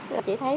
rồi chị thấy